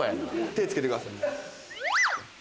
手つけてください。